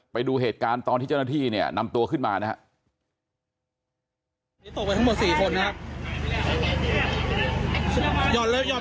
ไปดูเหตุการณ์ตอนที่เจ้าหน้าที่เนี่ยนำตัวขึ้นมานะครับ